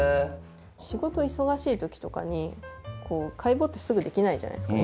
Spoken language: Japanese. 仕事忙しい時とかに解剖ってすぐできないじゃないですか。